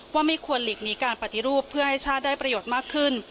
ว่าไม่ควรหลีกหนีการปฏิรูปเพื่อให้ชาติได้ประโยชน์มากขึ้น